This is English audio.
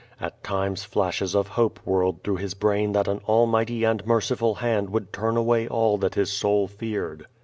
At times flashes of hope whirled through his brain that an Almighty and Merciful Hand would turn away all that his soul feared.